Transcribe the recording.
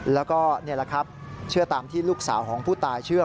แล้วก็เชื่อตามที่ลูกสาวของผู้ตายเชื่อ